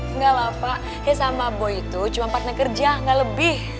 enggak lah pak hes sama boy itu cuma partner kerja nggak lebih